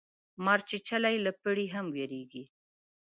مار چیچلی له پړي هم ویریږي